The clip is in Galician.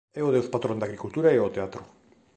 É o deus patrón da agricultura e o teatro.